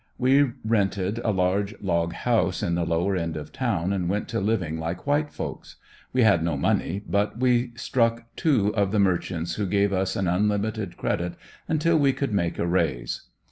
We rented a large log house in the lower end of town and went to living like white folks. We had no money, but we struck two of the merchants who gave us an unlimited credit until we could make a raise.